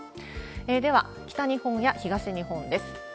では、北日本や東日本です。